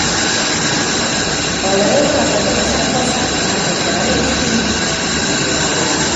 O Obradoiro aguantou en Zaragoza ata os derradeiros cinco minutos.